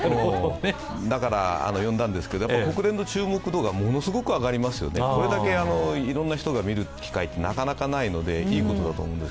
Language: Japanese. だから、呼んだんですけど国連の注目度がものすごく上がりますよね、これだけいろんな人が見る機会ってなかなかないので、いいことだと思います。